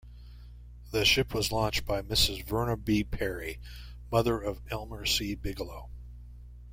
The ship was launched by Mrs. Verna B. Perry, mother of Elmer C. Bigelow.